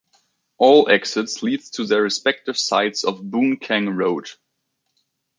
All exits leads to their respective sides of Boon Keng Road.